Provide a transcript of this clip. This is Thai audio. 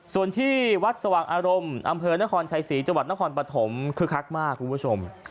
ส่วนที่วัดสว่างอารมณ์อำเภอนครชัยศรีจังหวัดนครปฐมคึกคักมากคุณผู้ชม